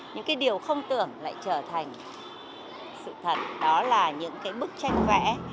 những cái điều không tưởng lại trở thành sự thật đó là những cái bức tranh vẽ